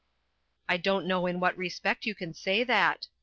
"I don't know in what respect you can say that?"